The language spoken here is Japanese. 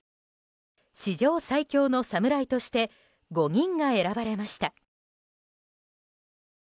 史上最強の侍として５人が選ばれました。